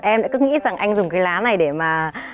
em đã cứ nghĩ rằng anh dùng cái lá này để mà